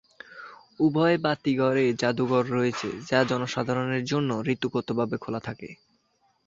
উভয় বাতিঘরে জাদুঘর রয়েছে, যা জনসাধারণের জন্য ঋতুগতভাবে খোলা থাকে।